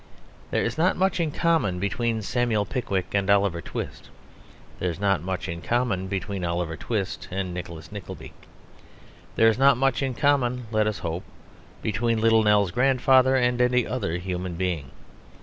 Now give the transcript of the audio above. There is not much in common between Samuel Pickwick and Oliver Twist; there is not much in common between Oliver Twist and Nicholas Nickleby; there is not much in common (let us hope) between Little Nell's grandfather and any other human being.